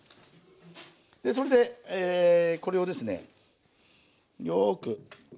でそれでこれをですねよく卵に。